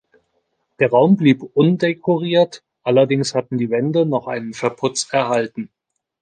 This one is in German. Der Raum blieb undekoriert, allerdings hatten die Wände noch einen Verputz erhalten.